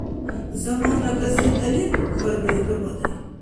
— «Замана» газета лебу? — хьарбаиб Рабадай.